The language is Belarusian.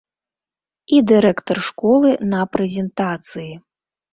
І дырэктар школы на прэзентацыі.